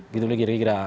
gitu lah kira kira